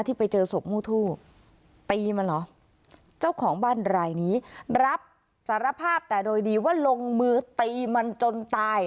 ไปเจอศพมู่ทู่ตีมันเหรอเจ้าของบ้านรายนี้รับสารภาพแต่โดยดีว่าลงมือตีมันจนตาย